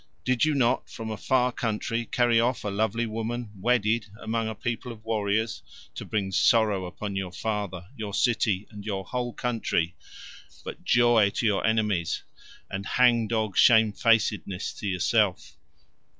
Did you not from your a far country carry off a lovely woman wedded among a people of warriors—to bring sorrow upon your father, your city, and your whole country, but joy to your enemies, and hang dog shamefacedness to yourself?